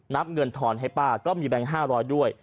นับเงินทอนให้ป้าก็มีแบงค์๕๐๐ด้วย